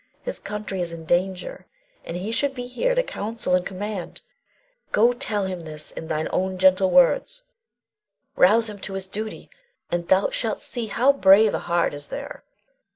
His country is in danger, and he should be here to counsel and command. Go, tell him this in thine own gentle words; rouse him to his duty, and thou shalt see how brave a heart is there.